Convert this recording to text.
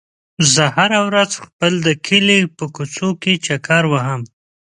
زه هره ورځ د خپل کلي په کوڅو کې چکر وهم.